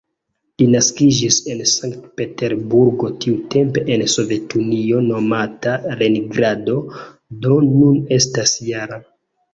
Li naskiĝis en Sankt-Peterburgo, tiutempe en Sovetunio nomata Leningrado, do nun estas -jara.